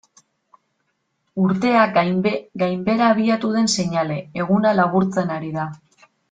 Urtea gainbehera abiatu den seinale, eguna laburtzen ari da.